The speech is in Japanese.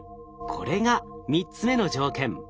これが３つ目の条件。